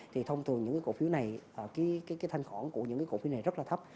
thì thông thường những cổ phiếu này thanh khỏng của những cổ phiếu này rất là thấp